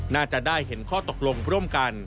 น่าจะได้เห็นข้อตกลงร่วมกัน